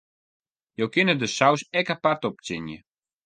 Jo kinne de saus ek apart optsjinje.